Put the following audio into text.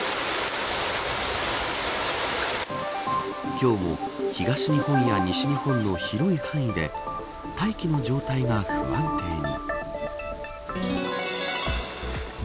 今日も東日本や西日本の広い範囲で大気の状態が不安定に。